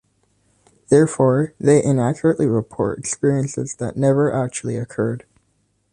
Therefore, they inaccurately report experiences that never actually occurred.